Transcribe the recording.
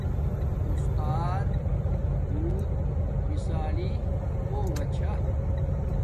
اُستات بوت مسثالی ہوگا چھا